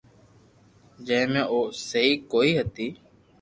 جو مي او سھي ڪوئي ھتئ